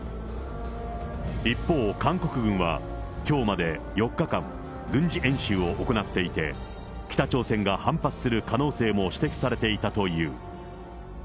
一方、韓国軍はきょうまで４日間、軍事演習を行っていて、北朝鮮が反発する可能性も指摘されていたという。